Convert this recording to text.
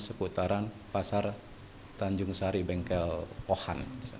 seputaran pasar tanjung sari bengkel pohan